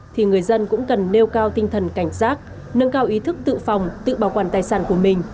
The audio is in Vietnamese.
thì người dân cũng cần nêu cao tinh thần cảnh giác nâng cao ý thức tự phòng tự bảo quản tài sản của mình